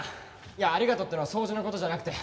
いや「ありがとう」ってのは掃除の事じゃなくて。